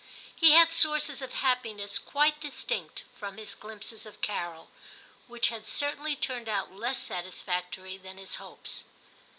He had sources of happiness quite distinct from his glimpses of Carol, which had certainly turned out less satisfactory than his hopes.